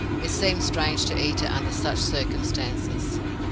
It seemed strange to eat it under such circumstances.